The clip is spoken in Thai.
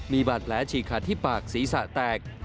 มีบาดแผลฉีกขาดที่ปากศีรษะแตก